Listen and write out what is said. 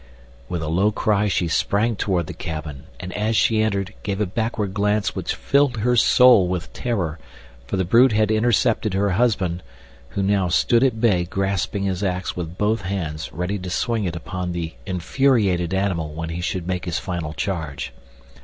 With a low cry she sprang toward the cabin, and, as she entered, gave a backward glance which filled her soul with terror, for the brute had intercepted her husband, who now stood at bay grasping his ax with both hands ready to swing it upon the infuriated animal when he should make his final charge.